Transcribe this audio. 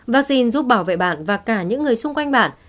vaccine giúp bảo vệ bạn và cả những người xung quanh bạn